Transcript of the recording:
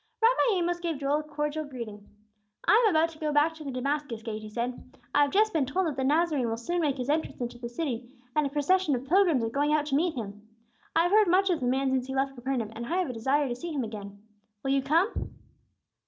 Rabbi Amos gave Joel a cordial greeting. "I am about to go back to the Damascus gate," he said. "I have just been told that the Nazarene will soon make His entrance into the city, and a procession of pilgrims are going out to meet Him. I have heard much of the man since He left Capernaum, and I have a desire to see Him again. Will you come?"